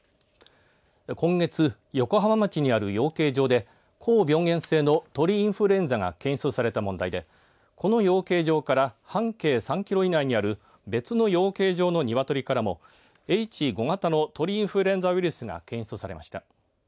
今月、横浜町にある養鶏場で高病原性の鳥インフルエンザが検出された問題でこの養鶏場から半径３キロ以内にある別の養鶏場のニワトリからもＨ５型の鳥インフルエンザウイルスが検出されました。